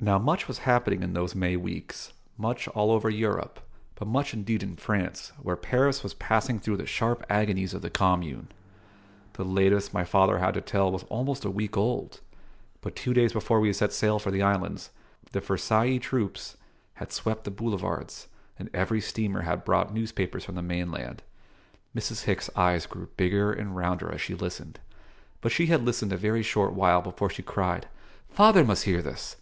Now, much was happening in those May weeks much all over Europe, but much indeed in France, where Paris was passing through the sharp agonies of the Commune. The latest my father had to tell was almost a week old; but two days before we set sail for the islands the Versaillais troops had swept the boulevards, and every steamer had brought newspapers from the mainland. Mrs. Hicks' eyes grew bigger and rounder as she listened; but she had listened a very short while before she cried "Father must hear this!